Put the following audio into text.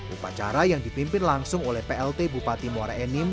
upacara yang dipimpin langsung oleh plt bupati muara enim